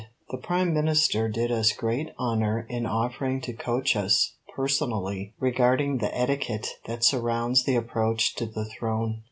The Prime Minister did us great honour in offering to coach us personally regarding the etiquette that surrounds the approach to the throne.